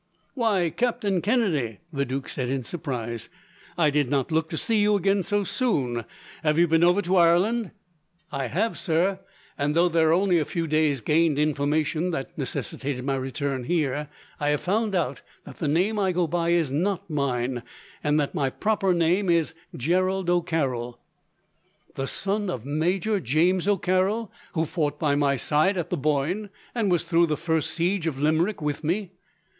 "Why, Captain Kennedy," the duke said, in surprise; "I did not look to see you again, so soon. Have you been over to Ireland?" "I have, sir, and though there only a few days, gained information that necessitated my return here. I have found out that the name I go by is not mine, and that my proper name is Gerald O'Carroll." "The son of Major James O'Carroll, who fought by my side at the Boyne, and was through the first siege of Limerick with me!